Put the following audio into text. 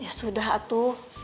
ya sudah atuh